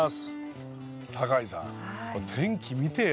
酒井さん天気見てよ。